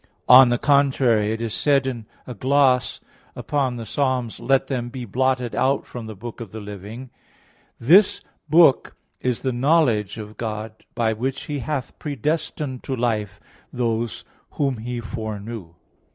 On the contrary, It is said in a gloss upon Ps. 68:29, "Let them be blotted out of the book of the living," "This book is the knowledge of God, by which He hath predestined to life those whom He foreknew."